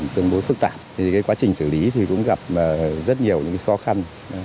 trong buổi phức tạp quá trình xử lý cũng gặp rất nhiều khó khăn